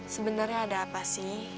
sebenernya ada apa sih